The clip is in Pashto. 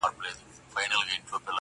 له ناکامه د قسمت په انتظار سو!.